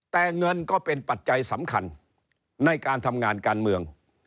แต่เงินก็เป็นปัจจัยสำคัญในการทำงานการเมือง